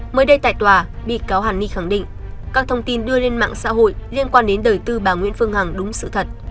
mới đây tại tòa bị cáo hàn ni khẳng định các thông tin đưa lên mạng xã hội liên quan đến đời tư bà nguyễn phương hằng đúng sự thật